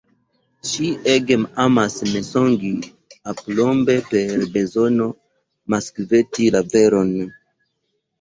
Ŝi ege emas mensogi, aplombe, per bezono maskvesti la veron.